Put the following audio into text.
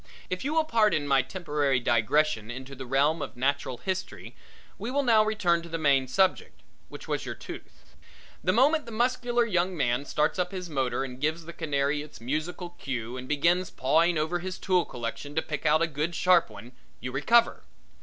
If you will pardon my temporary digressions into the realm of natural history, we will now return to the main subject, which was your tooth. The moment the muscular young man starts up his motor and gives the canary its music cue and begins pawing over his tool collection to pick out a good sharp one, you recover.